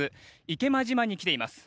池間島に来ています。